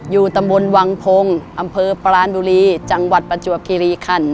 อยู่ตำบลวังพงศ์อำเภอปรานบุรีจังหวัดประจวบคิริขัน